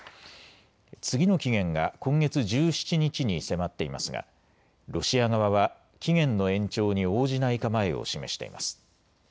次の期限が今月１７日に迫っていますがロシア側は期限の延長に応じない構えを示しています。